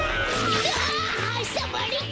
あはさまれた！